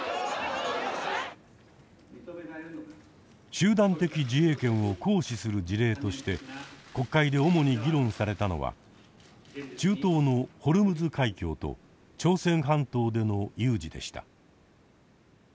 集団的自衛権を行使する事例として国会で主に議論されたのは中東のホルムズ海峡と朝鮮半島での有事でした。